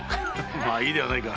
いいではないか。